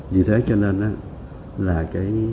vì thế cho nên là khi làm được như vậy cái niềm tin đã có lại là